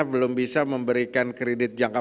belum bisa memberikan kredit jangka